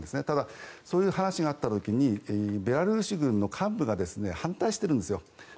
ただ、そういう話があった時にベラルーシ軍の幹部が反対しているんですよ。